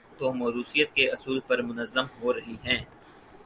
تو موروثیت کے اصول پر منظم ہو رہی ہیں۔